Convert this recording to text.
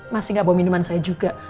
masih gak bawa minuman saya juga